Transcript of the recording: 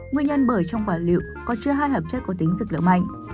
nguyên nhân bởi trong quả lựu có chứa hai hợp chất có tính dược lượng mạnh